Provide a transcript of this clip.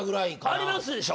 ありますでしょ？